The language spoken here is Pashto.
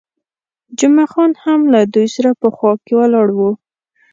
جمعه خان هم له دوی سره په خوا کې ولاړ وو.